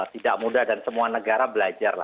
tidak mudah dan semua negara belajar